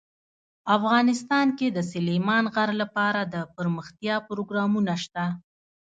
افغانستان کې د سلیمان غر لپاره دپرمختیا پروګرامونه شته.